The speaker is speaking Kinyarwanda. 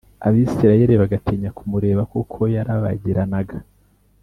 Abisirayeli bagatinya kumureba kuko yarabagiranaga